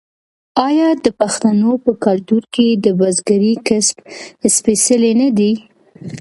آیا د پښتنو په کلتور کې د بزګرۍ کسب سپیڅلی نه دی؟